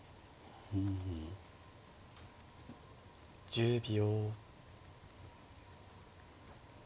１０秒。